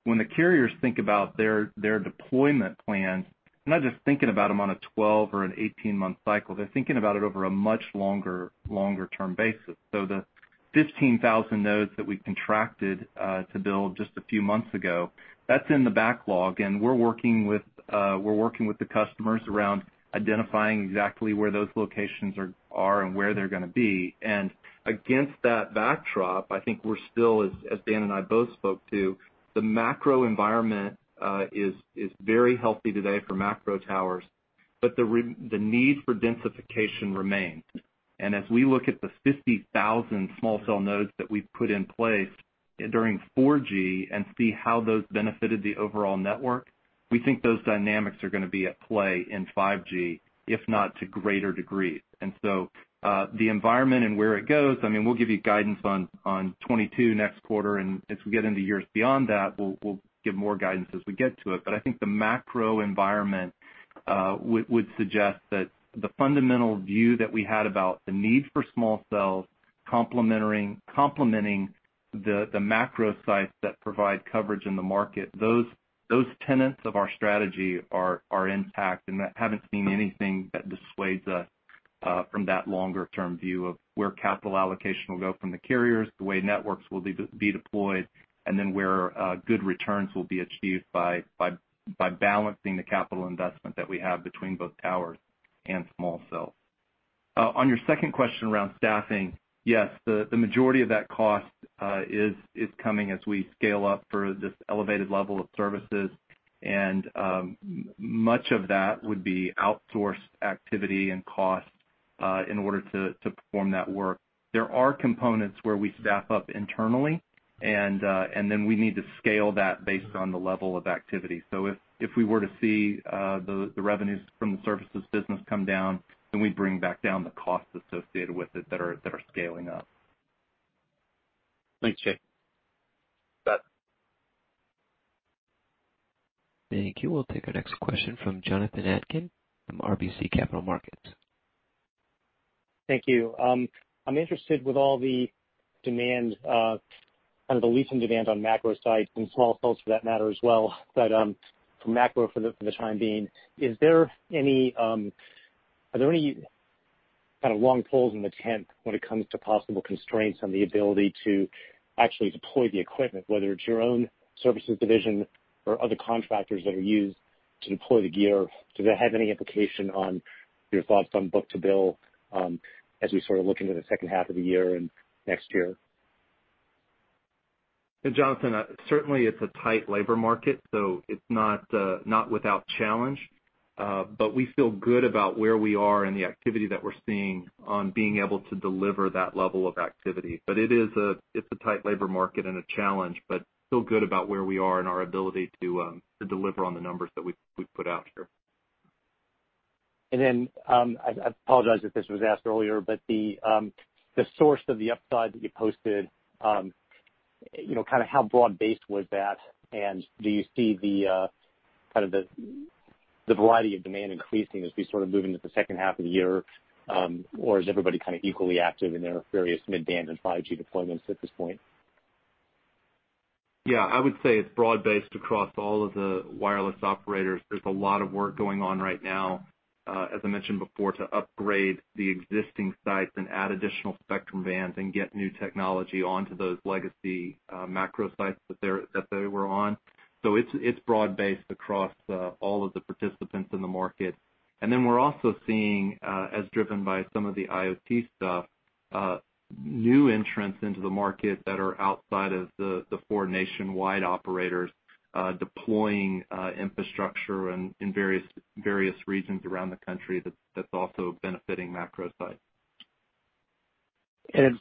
When the carriers think about their deployment plans, they're not just thinking about them on a 12 or an 18-month cycle. They're thinking about it over a much longer-term basis. The 15,000 nodes that we contracted to build just a few months ago, that's in the backlog, and we're working with the customers around identifying exactly where those locations are and where they're gonna be. Against that backdrop, I think we're still, as Dan and I both spoke to, the macro environment is very healthy today for macro towers, but the need for densification remains. As we look at the 50,000 small cell nodes that we've put in place during 4G and see how those benefited the overall network, we think those dynamics are gonna be at play in 5G, if not to greater degrees. The environment and where it goes, I mean, we'll give you guidance on 2022 next quarter, and as we get into years beyond that, we'll give more guidance as we get to it. I think the macro environment, would suggest that the fundamental view that we had about the need for small cells complementing the macro sites that provide coverage in the market, those tenets of our strategy are intact and haven't seen anything that dissuades us from that longer-term view of where capital allocation will go from the carriers, the way networks will be deployed, and then where good returns will be achieved by balancing the capital investment that we have between both towers and small cells. On your second question around staffing, yes, the majority of that cost is coming as we scale up for this elevated level of services. Much of that would be outsourced activity and cost, in order to perform that work. There are components where we staff up internally and then we need to scale that based on the level of activity. If we were to see the revenues from the services business come down, then we bring back down the costs associated with it that are scaling up. Thanks, Jay. You bet. Thank you. We'll take our next question from Jonathan Atkin from RBC Capital Markets. Thank you. I'm interested with all the demand, kind of the leasing demand on macro sites and small cells for that matter as well. For macro for the time being, are there any kind of long poles in the tent when it comes to possible constraints on the ability to actually deploy the equipment, whether it's your own services division or other contractors that are used to deploy the gear? Does that have any implication on your thoughts on book-to-bill, as we sort of look into the second half of the year and next year? Hey, Jonathan. Certainly, it's a tight labor market. It's not without challenge. We feel good about where we are and the activity that we're seeing on being able to deliver that level of activity. It's a tight labor market and a challenge, but we feel good about where we are and our ability to deliver on the numbers that we put out here. I apologize if this was asked earlier, but the source of the upside that you posted, kind of how broad-based was that? Do you see the variety of demand increasing as we sort of move into the second half of the year? Is everybody kind of equally active in their various mid-band and 5G deployments at this point? Yeah. I would say it's broad-based across all of the wireless operators. There's a lot of work going on right now, as I mentioned before, to upgrade the existing sites and add additional spectrum bands and get new technology onto those legacy macro sites that they were on. It's broad-based across all of the participants in the market. We're also seeing, as driven by some of the IoT stuff, new entrants into the market that are outside of the four nationwide operators, deploying infrastructure in various regions around the country that's also benefiting macro site.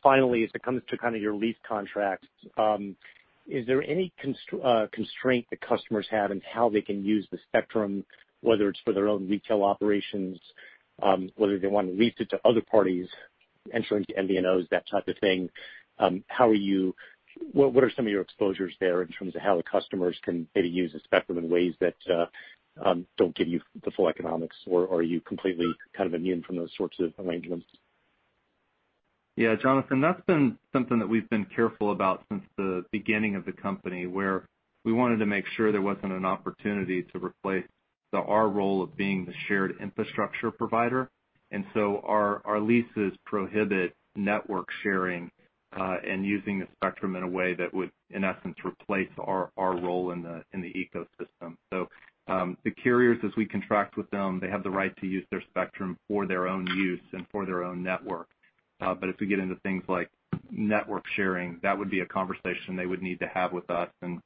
Finally, as it comes to kind of your lease contracts, is there any constraint that customers have in how they can use the spectrum, whether it's for their own retail operations, whether they want to lease it to other parties, entering into MVNOs, that type of thing? What are some of your exposures there in terms of how the customers can maybe use the spectrum in ways that don't give you the full economics, or are you completely immune from those sorts of arrangements? Yeah, Jonathan, that's been something that we've been careful about since the beginning of the company, where we wanted to make sure there wasn't an opportunity to replace our role of being the shared infrastructure provider. Our leases prohibit network sharing and using the spectrum in a way that would, in essence, replace our role in the ecosystem. The carriers, as we contract with them, they have the right to use their spectrum for their own use and for their own network. If we get into things like network sharing, that would be a conversation they would need to have with us, and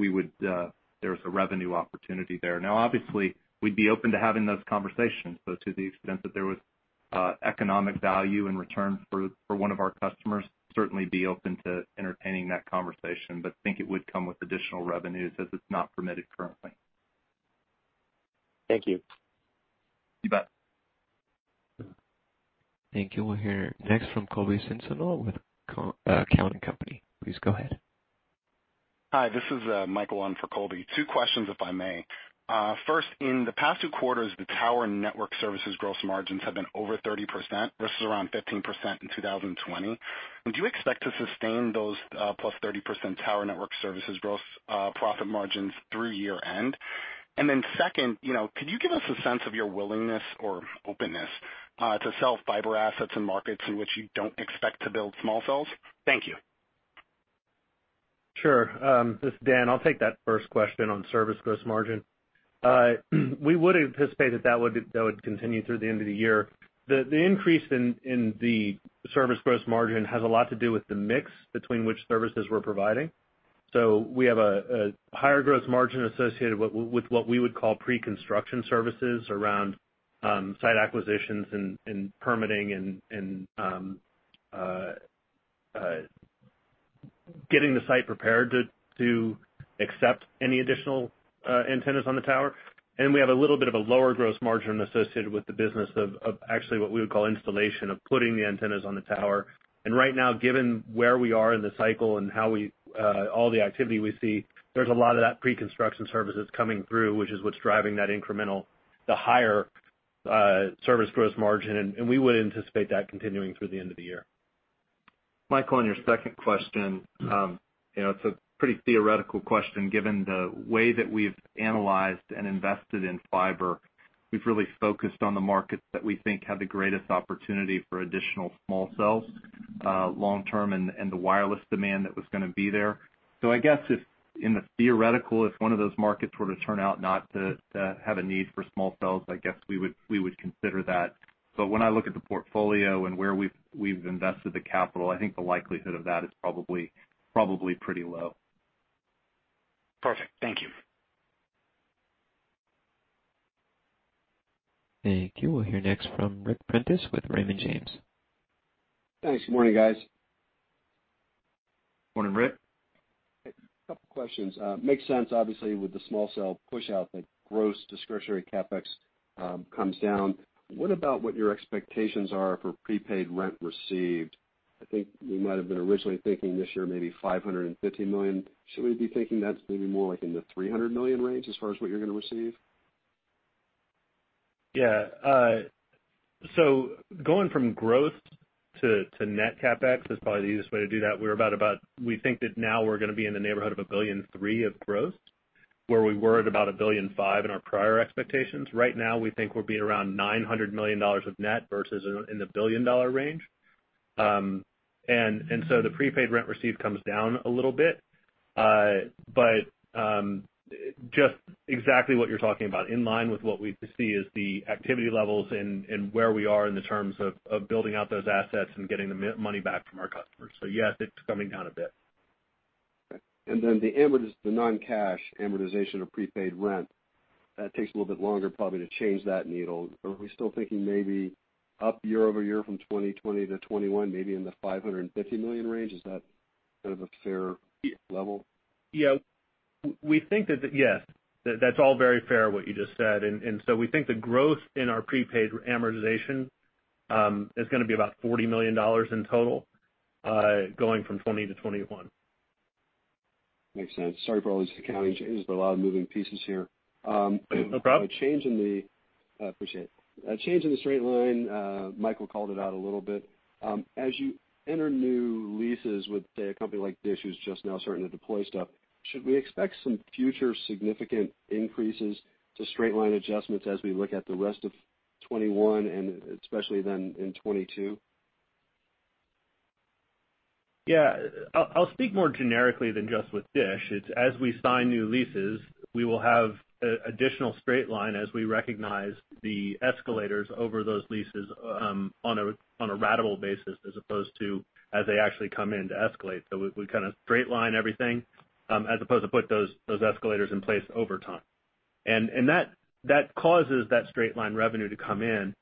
there is a revenue opportunity there. Obviously, we'd be open to having those conversations, to the extent that there was economic value in return for one of our customers, certainly be open to entertaining that conversation. Think it would come with additional revenues as it's not permitted currently. Thank you. You bet. Thank you. We'll hear next from Colby Synesael with Cowen and Company. Please go ahead. Hi, this is Michael on for Colby. Two questions, if I may. First, in the past two quarters, the tower network services gross margins have been over 30%, versus around 15% in 2020. Do you expect to sustain those +30% tower network services gross profit margins through year-end? Second, could you give us a sense of your willingness or openness to sell fiber assets in markets in which you don't expect to build small cells? Thank you. Sure. This is Dan, I'll take that first question on service gross margin. We would anticipate that would continue through the end of the year. The increase in the service gross margin has a lot to do with the mix between which services we're providing. We have a higher gross margin associated with what we would call pre-construction services around site acquisitions and permitting and getting the site prepared to accept any additional antennas on the tower. We have a little bit of a lower gross margin associated with the business of actually what we would call installation of putting the antennas on the tower. Right now, given where we are in the cycle and all the activity we see, there's a lot of that pre-construction services coming through, which is what's driving that incremental, the higher service gross margin, and we would anticipate that continuing through the end of the year. Michael, on your second question. It's a pretty theoretical question given the way that we've analyzed and invested in fiber. We've really focused on the markets that we think have the greatest opportunity for additional small cells long-term and the wireless demand that was gonna be there. I guess if in the theoretical, if one of those markets were to turn out not to have a need for small cells, I guess we would consider that. When I look at the portfolio and where we've invested the capital, I think the likelihood of that is probably pretty low. Perfect. Thank you. Thank you. We'll hear next from Ric Prentiss with Raymond James. Thanks. Morning, guys. Morning, Ric. A couple questions. Makes sense, obviously, with the small cell push out that gross discretionary CapEx comes down. What about what your expectations are for prepaid rent received? I think we might have been originally thinking this year, maybe $550 million. Should we be thinking that's maybe more like in the $300 million range as far as what you're going to receive? Going from growth to net CapEx is probably the easiest way to do that. We think now we're gonna be in the neighborhood of $1.3 billion of growth, where we were at about $1.5 billion in our prior expectations. Right now, we think we'll be around $900 million of net versus in the $1 billion range. The prepaid rent received comes down a little bit. Just exactly what you're talking about, in line with what we see as the activity levels and where we are in the terms of building out those assets and getting the money back from our customers. Yes, it's coming down a bit. Okay. The non-cash amortization of prepaid rent, that takes a little bit longer probably to change that needle. Are we still thinking maybe up year-over-year from 2020-2021, maybe in the $550 million range? Is that kind of a fair level? Yeah. That's all very fair, what you just said. We think the growth in our prepaid amortization is gonna be about $40 million in total, going from 2020-2021. Makes sense. Sorry for all these accounting changes, but a lot of moving pieces here. No problem. Appreciate it. A change in the straight line, Michael called it out a little bit. As you enter new leases with, say, a company like DISH, who's just now starting to deploy stuff, should we expect some future significant increases to straight line adjustments as we look at the rest of 2021 and especially then in 2022? Yeah. I'll speak more generically than just with DISH. It's as we sign new leases, we will have additional straight line as we recognize the escalators over those leases on a ratable basis as opposed to as they actually come in to escalate. We kind of straight line everything, as opposed to put those escalators in place over time. That causes that straight line revenue to come in,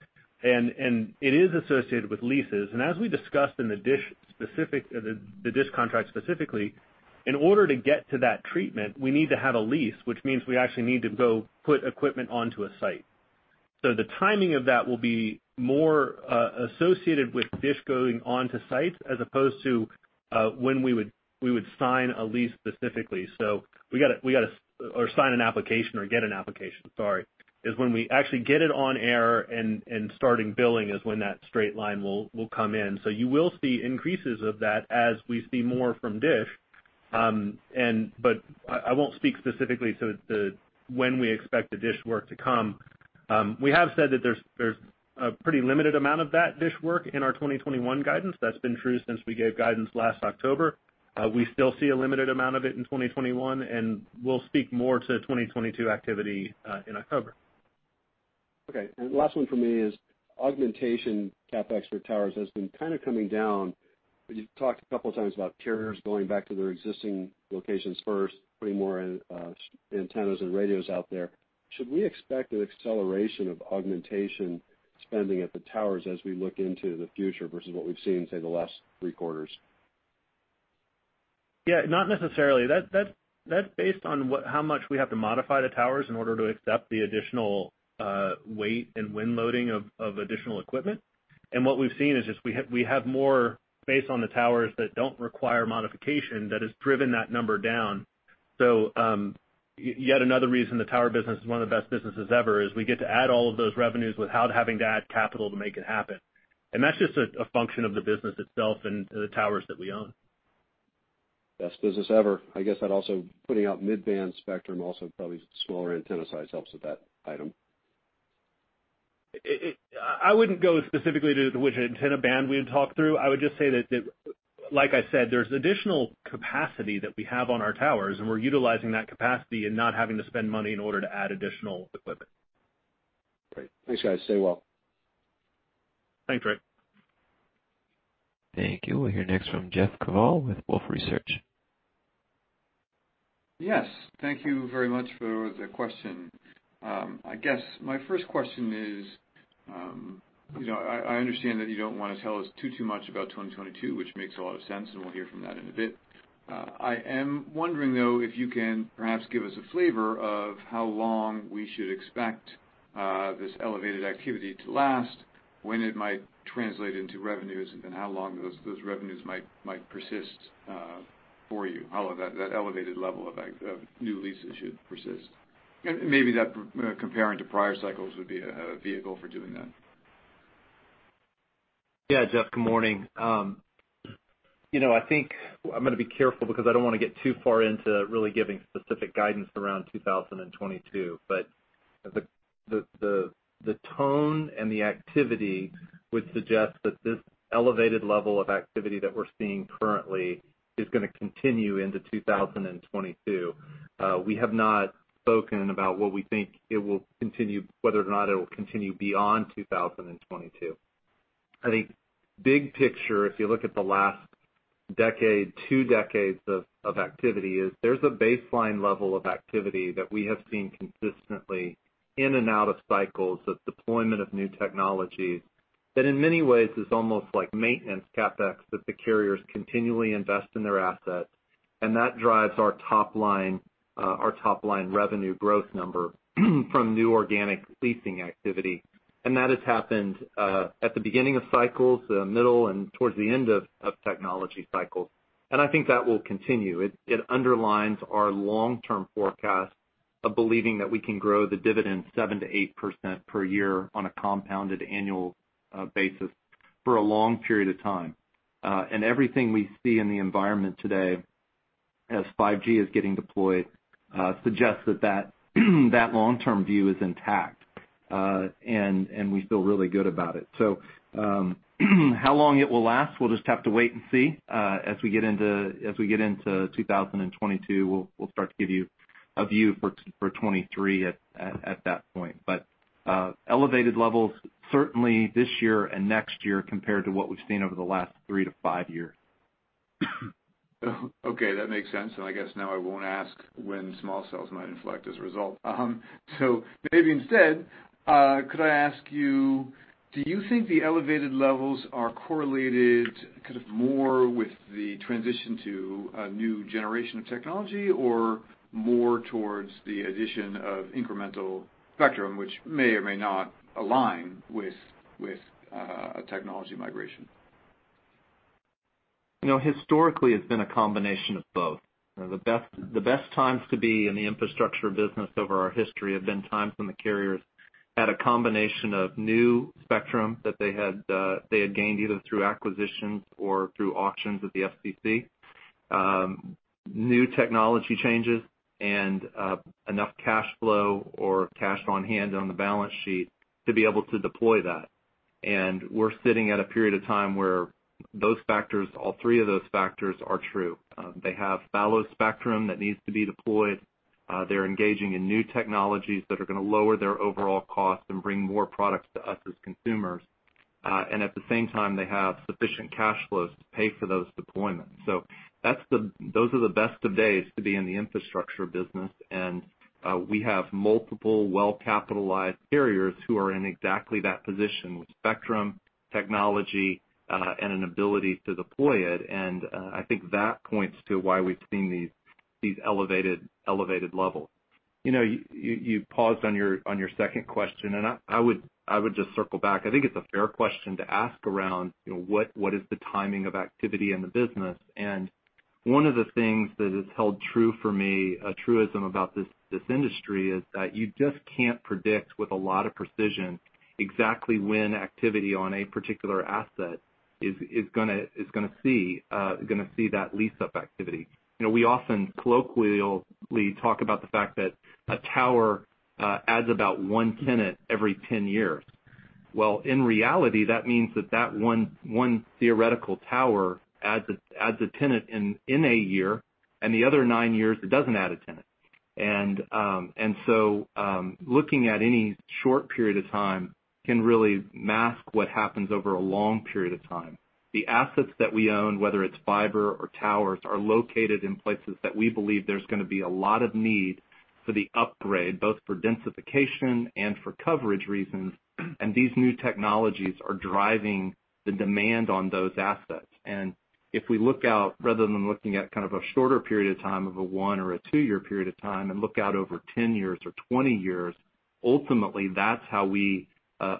and it is associated with leases, as we discussed in the DISH contract specifically. In order to get to that treatment, we need to have a lease, which means we actually need to go put equipment onto a site. The timing of that will be more associated with DISH going onto sites as opposed to when we would sign a lease specifically. Sign an application or get an application, sorry, is when we actually get it on air and starting billing is when that straight line will come in. You will see increases of that as we see more from DISH. I won't speak specifically to when we expect the DISH work to come. We have said that there's a pretty limited amount of that DISH work in our 2021 guidance. That's been true since we gave guidance last October. We still see a limited amount of it in 2021, and we'll speak more to 2022 activity in October. Okay. Last one from me is augmentation CapEx for towers has been kind of coming down. You've talked a couple times about carriers going back to their existing locations first, putting more antennas and radios out there. Should we expect an acceleration of augmentation spending at the towers as we look into the future versus what we've seen, say, the last three quarters? Yeah, not necessarily. That's based on how much we have to modify the towers in order to accept the additional weight and wind loading of additional equipment. What we've seen is just we have more space on the towers that don't require modification that has driven that number down. Yet another reason the tower business is one of the best businesses ever is we get to add all of those revenues without having to add capital to make it happen. That's just a function of the business itself and the towers that we own. Best business ever. I guess that also putting out mid-band spectrum also probably smaller antenna size helps with that item? I wouldn't go specifically to which antenna band we had talked through. I would just say that, like I said, there's additional capacity that we have on our towers, and we're utilizing that capacity and not having to spend money in order to add additional equipment. Great. Thanks, guys. Stay well. Thanks, Ric. Thank you. We'll hear next from Jeff Kvaal with Wolfe Research. Yes. Thank you very much for the question. I guess my first question is, I understand that you don't want to tell us too much about 2022, which makes a lot of sense, and we'll hear from that in a bit. I am wondering, though, if you can perhaps give us a flavor of how long we should expect this elevated activity to last, when it might translate into revenues, and how long those revenues might persist for you, how long that elevated level of new leases should persist? Maybe that comparing to prior cycles would be a vehicle for doing that. Yeah. Jeff, good morning. I think I'm going to be careful because I don't want to get too far into really giving specific guidance around 2022. The tone and the activity would suggest that this elevated level of activity that we're seeing currently is going to continue into 2022. We have not spoken about whether or not it will continue beyond 2022. I think big picture, if you look at the last decade, two decades of activity, is there's a baseline level of activity that we have seen consistently in and out of cycles of deployment of new technologies that in many ways is almost like maintenance CapEx, that the carriers continually invest in their assets, and that drives our top-line revenue growth number from new organic leasing activity. That has happened at the beginning of cycles, the middle, and towards the end of technology cycles. I think that will continue. It underlines our long-term forecast of believing that we can grow the dividend 7%-8% per year on a compounded annual basis for a long period of time. Everything we see in the environment today as 5G is getting deployed suggests that that long-term view is intact. We feel really good about it. How long it will last? We'll just have to wait and see. As we get into 2022, we'll start to give you a view for 2023 at that point. Elevated levels certainly this year and next year compared to what we've seen over the last three to five years. Okay, that makes sense. I guess now I won't ask when small cells might inflect as a result. Maybe instead, could I ask you, do you think the elevated levels are correlated kind of more with the transition to a new generation of technology or more towards the addition of incremental spectrum, which may or may not align with a technology migration? Historically, it's been a combination of both. The best times to be in the infrastructure business over our history have been times when the carriers had a combination of new spectrum that they had gained, either through acquisitions or through auctions with the FCC. New technology changes and enough cash flow or cash on hand on the balance sheet to be able to deploy that. We're sitting at a period of time where those factors, all three of those factors are true. They have fallow spectrum that needs to be deployed. They're engaging in new technologies that are going to lower their overall cost and bring more products to us as consumers. At the same time, they have sufficient cash flows to pay for those deployments. Those are the best of days to be in the infrastructure business, and we have multiple well-capitalized carriers who are in exactly that position with spectrum, technology, and an ability to deploy it. I think that points to why we've seen these elevated levels. You paused on your second question. I would just circle back. I think it's a fair question to ask around what is the timing of activity in the business. One of the things that has held true for me, a truism about this industry is that you just can't predict with a lot of precision exactly when activity on a particular asset is going to see that lease-up activity. We often colloquially talk about the fact that a tower adds about one tenant every 10 years. Well, in reality, that means that one theoretical tower adds a tenant in a year, the other nine years, it doesn't add a tenant. Looking at any short period of time can really mask what happens over a long period of time. The assets that we own, whether it's fiber or towers, are located in places that we believe there's going to be a lot of need for the upgrade, both for densification and for coverage reasons, these new technologies are driving the demand on those assets. If we look out, rather than looking at kind of a shorter period of time of a one or a two-year period of time and look out over 10 years or 20 years, ultimately, that's how we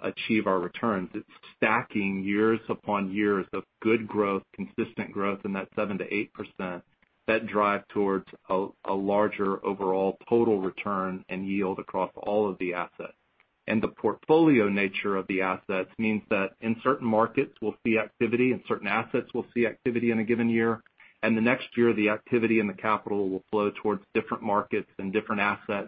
achieve our returns. It's stacking years upon years of good growth, consistent growth in that 7%-8% that drive towards a larger overall total return and yield across all of the assets. The portfolio nature of the assets means that in certain markets, we'll see activity, in certain assets, we'll see activity in a given year, and the next year, the activity and the capital will flow towards different markets and different assets.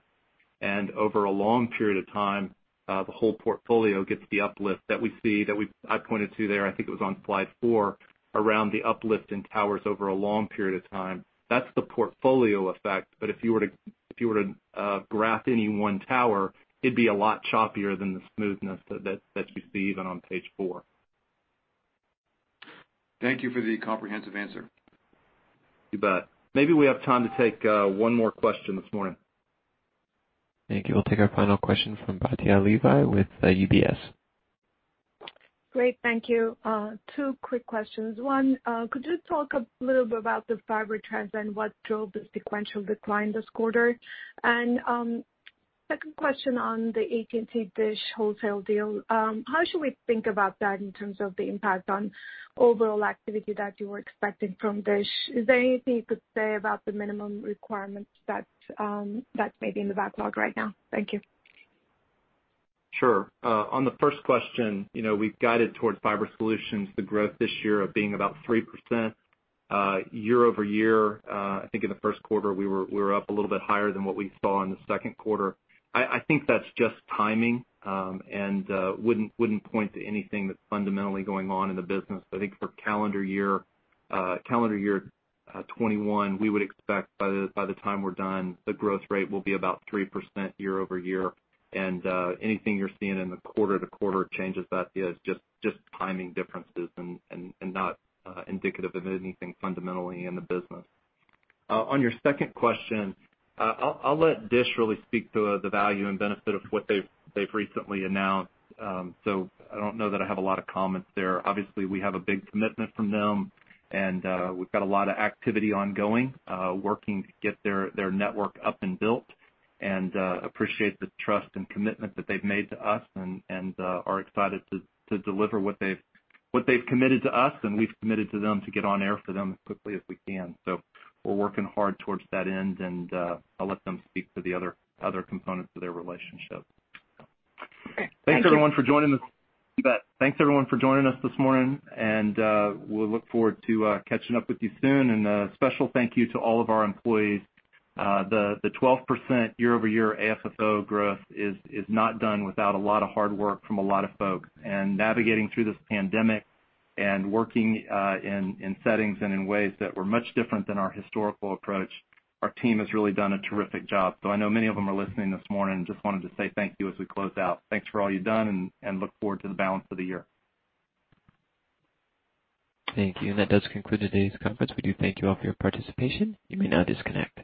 Over a long period of time, the whole portfolio gets the uplift that we see, that I pointed to there, I think it was on slide four, around the uplift in towers over a long period of time. That's the portfolio effect. If you were to graph any one tower, it'd be a lot choppier than the smoothness that you see even on page four. Thank you for the comprehensive answer. You bet. Maybe we have time to take one more question this morning. Thank you. We'll take our final question from Batya Levi with UBS. Great. Thank you. Two quick questions. One, could you talk a little bit about the fiber trends and what drove the sequential decline this quarter? Second question on the AT&T-DISH wholesale deal. How should we think about that in terms of the impact on overall activity that you were expecting from DISH? Is there anything you could say about the minimum requirements that may be in the backlog right now? Thank you. Sure. On the first question, we've guided towards fiber solutions, the growth this year of being about 3% year-over-year. I think in the first quarter, we were up a little bit higher than what we saw in the second quarter. I think that's just timing, wouldn't point to anything that's fundamentally going on in the business. I think for calendar year 2021, we would expect by the time we're done, the growth rate will be about 3% year-over-year. Anything you're seeing in the quarter-to-quarter changes, Batya, is just timing differences and not indicative of anything fundamentally in the business. On your second question, I'll let DISH really speak to the value and benefit of what they've recently announced. I don't know that I have a lot of comments there. Obviously, we have a big commitment from them, and we've got a lot of activity ongoing, working to get their network up and built and appreciate the trust and commitment that they've made to us and are excited to deliver what they've committed to us and we've committed to them to get on air for them as quickly as we can. We're working hard towards that end, and I'll let them speak to the other components of their relationship. Okay. Thank you. Thanks, everyone, for joining us. You bet. Thanks, everyone, for joining us this morning, and we'll look forward to catching up with you soon. A special thank you to all of our employees. The 12% year-over-year AFFO growth is not done without a lot of hard work from a lot of folks. Navigating through this pandemic and working in settings and in ways that were much different than our historical approach, our team has really done a terrific job. I know many of them are listening this morning, just wanted to say thank you as we close out. Thanks for all you've done, and look forward to the balance of the year. Thank you. That does conclude today's conference. We do thank you all for your participation. You may now disconnect.